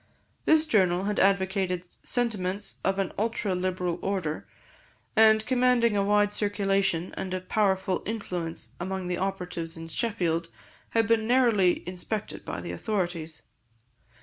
This journal had advocated sentiments of an ultra liberal order, and commanding a wide circulation and a powerful influence among the operatives in Sheffield, had been narrowly inspected by the authorities.